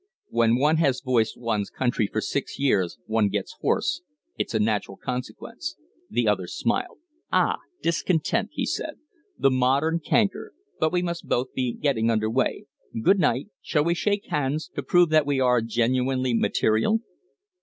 "When one has voiced one's country for six years one gets hoarse it's a natural consequence." The other smiled. "Ah, discontent!" he said. "The modern canker. But we must both be getting under way. Good night! Shall we shake hands to prove that we are genuinely material?"